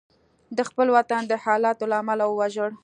د خپل وطن د حالاتو له امله وژړل.